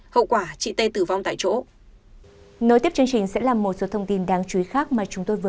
hậu quả chị t tử vong tại chỗ